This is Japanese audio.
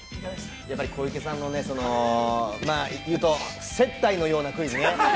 ◆やっぱり小池さんの言うと、接待のようなクイズね。